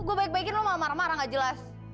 gue baik baikin lo malah marah marah nggak jelas